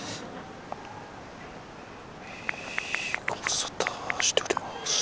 「ご無沙汰しております。